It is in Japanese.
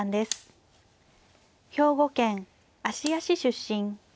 兵庫県芦屋市出身。